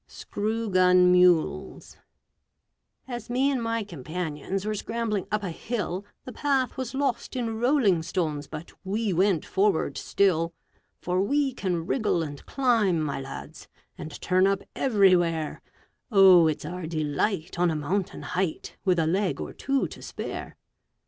SCREW GUN MULES As me and my companions were scrambling up a hill, The path was lost in rolling stones, but we went forward still; For we can wriggle and climb, my lads, and turn up everywhere, Oh, it's our delight on a mountain height, with a leg or two to spare!